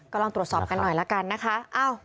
ก็ลองตรวจสอบกันหน่อยละกันนะคะ